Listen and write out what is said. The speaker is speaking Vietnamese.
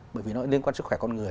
bởi vì nó liên quan sức khỏe con người